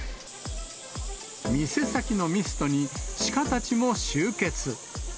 店先のミストに鹿たちも集結。